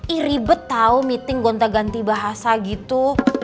i ribet tahu meeting gonta ganti bahasa gitu